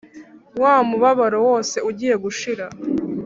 wa mubabaro wose ugiye gushira!”